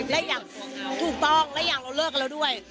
และอย่างถูกต้องและอย่างเราเลิกกับเราด้วย